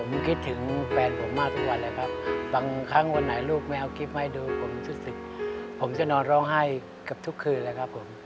ผมคิดถึงแฟนผมมากทุกวันแหละครับบางครั้งวันไหนลูกแม่เอาคลิปให้ดูผมจะนอนร้องไห้กับทุกคืนแหละครับผม